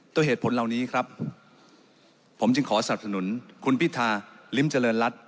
โดยเหตุผลเหล่านี้ครับผมขอดศนุนคุณพิทธาลิมเจริญรัฐ